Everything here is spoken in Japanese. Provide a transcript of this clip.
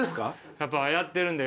やっぱやってるんで。